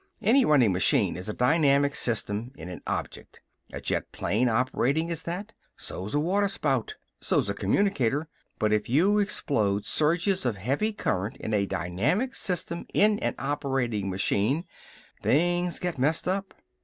Any running machine is a dynamic system in a object. A jet plane operating is that. So's a water spout. So's a communicator. But if you explode surges of heavy current in a dynamic system in a operating machine things get messed up.